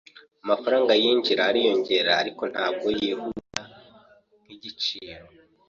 Amafaranga yinjira ariyongera, ariko ntabwo yihuta nkigiciro.